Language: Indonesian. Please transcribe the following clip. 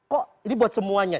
kok ini buat semuanya